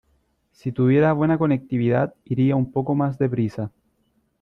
Si tuviera buena conectividad iría un poco más deprisa.